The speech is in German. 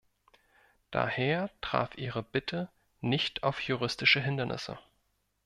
Daher traf ihre Bitte nicht auf juristische Hindernisse.